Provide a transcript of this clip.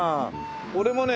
俺もね